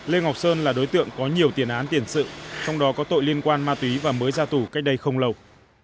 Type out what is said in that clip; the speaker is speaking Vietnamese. lê ngọc sơn là đối tượng có nhiều tiền án tiền sự trong đó có tội liên quan ma túy và mới ra tù cách đây không lâu